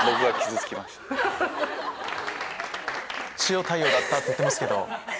塩対応だったって言ってますけど。